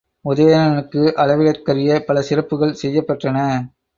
உதயணனுக்கு அளவிடற்கரிய பல சிறப்புகள் செய்யப் பெற்றன.